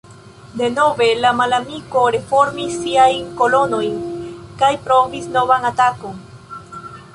Denove, la malamiko reformis siajn kolonojn kaj provis novan atakon.